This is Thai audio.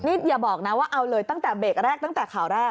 นี่อย่าบอกนะว่าเอาเลยตั้งแต่เบรกแรกตั้งแต่ข่าวแรก